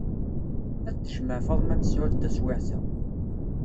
Ad t-tejmeɛ Faḍma Mesɛud taswiɛt-a.